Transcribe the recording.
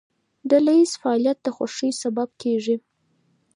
ډلهییز فعالیت د خوښۍ سبب کېږي.